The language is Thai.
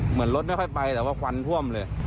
เหมือนรถไม่ค่อยไปแต่ว่าควันท่วมเลย